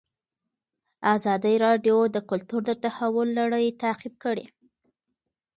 ازادي راډیو د کلتور د تحول لړۍ تعقیب کړې.